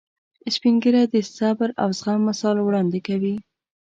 سپین ږیری د صبر او زغم مثال وړاندې کوي